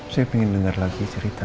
saya pengen denger lagi cerita